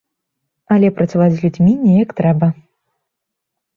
Але працаваць з людзьмі неяк трэба.